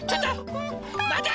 まて！